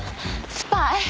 スパイ？